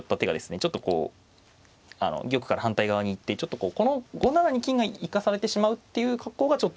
ちょっとこう玉から反対側に行ってこの５七に金が行かされてしまうっていう格好がちょっと